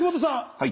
はい。